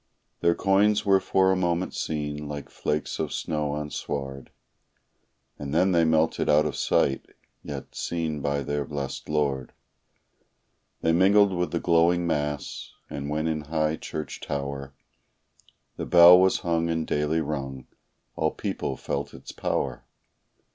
Their coins were for a moment seen, like flakes of snow on sward, And then they melted out of sight, yet, seen by their blest Lord, They mingled with the glowing mass, and when in high church tower The bell was hung and daily rung, all people felt its power.